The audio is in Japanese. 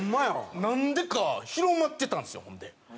なんでか広まってたんですよほんで。